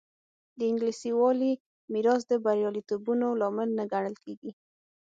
د انګلیسي والي میراث د بریالیتوبونو لامل نه ګڼل کېږي.